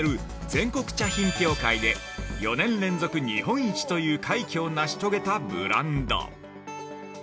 「全国茶品評会」で４年連続日本一という快挙を成し遂げたブランド！